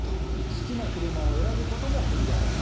好きな車を選ぶことも無理だろう。